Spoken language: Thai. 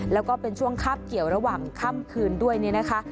แล้วก็เป็นช่วงคาบเกี่ยวระหว่างค่ำคืนด้วยเนี่ยนะคะ